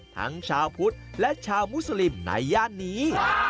ทั้งชาวพุทธและชาวมุสลิมในย่านนี้